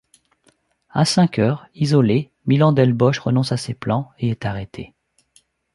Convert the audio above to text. À cinq heures, isolé, Milans del Bosch renonce à ses plans et est arrêté.